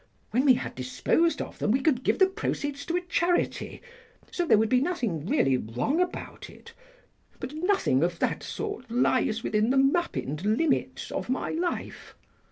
When we had disposed of them we could give the proceeds to a charity, so there would be nothing really wrong about it. But nothing of that sort lies within the Mappined limits of my life.